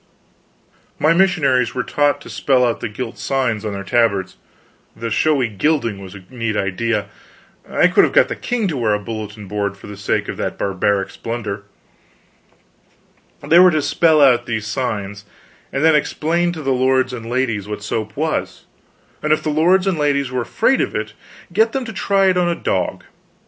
My missionaries were taught to spell out the gilt signs on their tabards the showy gilding was a neat idea, I could have got the king to wear a bulletin board for the sake of that barbaric splendor they were to spell out these signs and then explain to the lords and ladies what soap was; and if the lords and ladies were afraid of it, get them to try it on a dog.